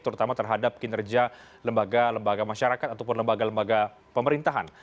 terutama terhadap kinerja lembaga lembaga masyarakat ataupun lembaga lembaga pemerintahan